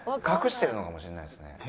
隠してるのかもしれないですね。